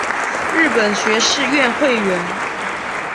日本学士院会员。